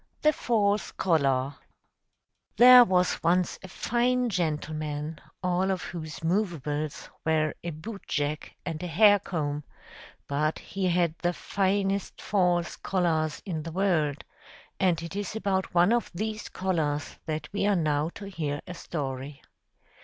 THE FALSE COLLAR There was once a fine gentleman, all of whose moveables were a boot jack and a hair comb: but he had the finest false collars in the world; and it is about one of these collars that we are now to hear a story.